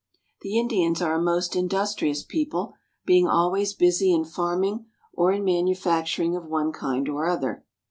The Indians are a most industrious people, being always busy in farming or in manufacturing of one kind or other.